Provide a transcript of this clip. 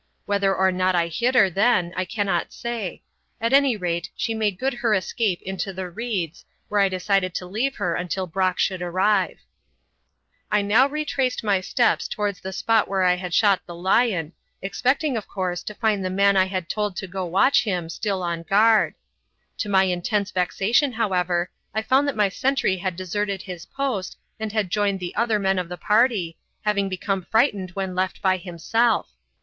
Whether or not I hit her then I cannot say; at any rate, she made good her escape into the reeds, where I decided to leave her until Brock should arrive. I now retraced my steps towards the spot where I had shot the lion, expecting, of course, to find the man I had told to watch him still on guard. To my intense vexation, however, I found that my sentry had deserted his post and had joined the other men of the party, having become frightened when left by himself.